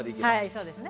そうですね。